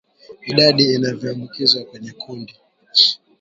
Idadi inayoambukizwa kwenye kundi